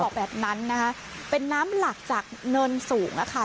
แบบนั้นนะคะเป็นน้ำหลักจากเนินสูงนะคะ